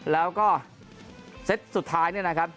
แล้วก็เซ็ตสุดท้าย๑๕๑๓